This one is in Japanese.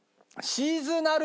シーズナル。